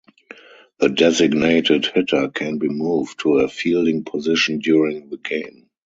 The designated hitter can be moved to a fielding position during the game.